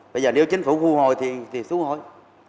bây giờ nếu chính phủ thu hồi thì thu hồi